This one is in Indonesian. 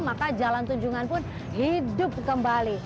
maka jalan tunjungan pun hidup kembali